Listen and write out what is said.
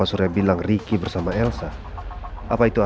udah selesai ma